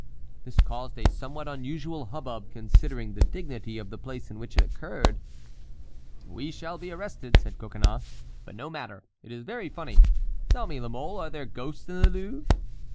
This caused a somewhat unusual hubbub considering the dignity of the place in which it occurred. "We shall be arrested," said Coconnas, "but no matter, it is very funny. Tell me, La Mole, are there ghosts in the Louvre?"